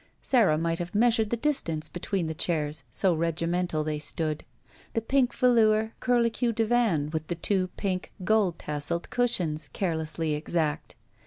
Sara might have measured the distance between the chairs, so regi mental they stood. The pink velour curlicue divan with the two pink, gold tasseled cushions, carelessly exact.